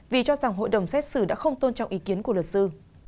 vì cho rằng hội đồng xét xử đã không tôn trọng ý kiến của luật sư